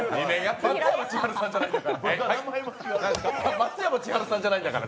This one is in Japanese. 松山千春さんじゃないんだから。